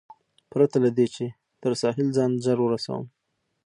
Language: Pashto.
پرته له دې، چې تر ساحل ځان ژر ورسوم.